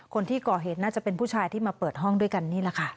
คนที่ก่อเหตุน่าจะเป็นผู้ชายที่มาเปิดห้องด้วยกันนี่แหละค่ะ